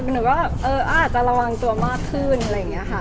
หนูก็อาจจะระวังตัวมากขึ้นอะไรอย่างนี้ค่ะ